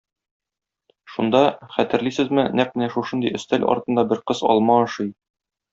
Шунда, хәтерлисезме, нәкъ менә шушындый өстәл артында бер кыз алма ашый.